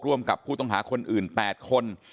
ร่วมกับผู้ต้องหาคนอื่น๘คน